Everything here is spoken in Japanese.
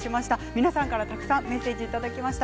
皆さんから、たくさんメッセージをいただきました。